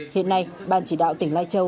hiện nay ban chỉ đạo tỉnh lai châu